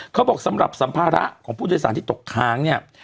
เขาบอกสำหรับสัมภาระของผู้โดยสารที่ตกค้างเนี่ย